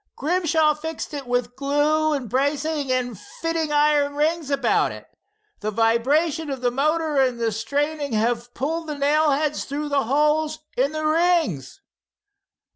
Grimshaw fixed it with glue and bracing, and fitting iron rings about it. The vibration of the motor and the straining have pulled the nail heads through the holes in the rings."